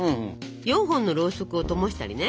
４本のろうそくをともしたりね